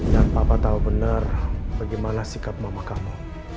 dan papa tau bener bagaimana sikap mama kamu